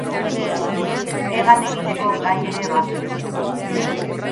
Hegan egiteko gai ere bazen.